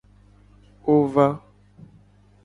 Wo va.